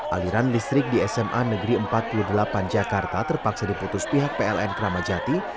aliran listrik di sma negeri empat puluh delapan jakarta terpaksa diputus pihak pln keramajati